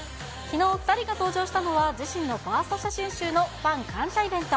きのう、２人が登場したのは、自身のファースト写真集のファン感謝イベント。